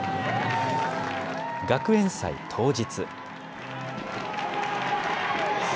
学園祭当日。